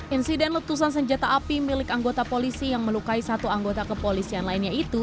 insiden letusan senjata api milik anggota polisi yang melukai satu anggota kepolisian lainnya itu